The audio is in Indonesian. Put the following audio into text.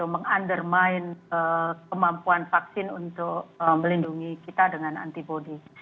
meng undermine kemampuan vaksin untuk melindungi kita dengan antibody